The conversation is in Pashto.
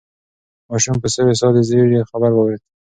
ماشوم په سوې ساه د زېري خبر راوړ.